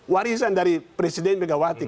warisan dari presiden megawati